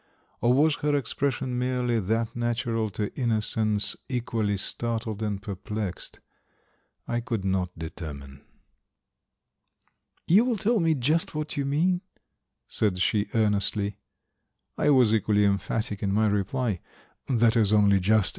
Or was her expression merely that natural to innocence equally startled and perplexed? I could not determine. "You will tell me just what you mean?" said she earnestly. I was equally emphatic in my reply. "That is only just.